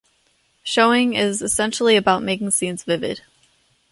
Showing is essentially about making scenes vivid.